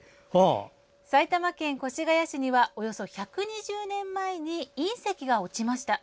埼玉県越谷市にはおよそ１２０年前に隕石が落ちました。